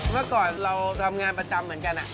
เมื่อก่อนเราทำงานประจำเหมือนกัน